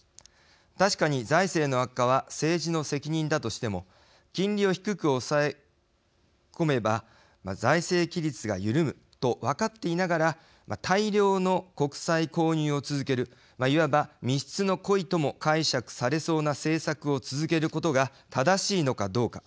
確かに財政の悪化は政治の責任だとしても金利を低く抑え込めば財政規律が緩むと分かっていながら大量の国債購入を続けるいわば未必の故意とも解釈されそうな政策を続けることが正しいのかどうか。